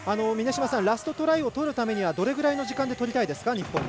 ラストトライをとるためにはどれぐらいの時間で日本はとりたいですか。